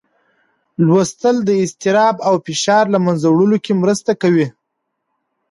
لوستل د اضطراب او فشار له منځه وړلو کې مرسته کوي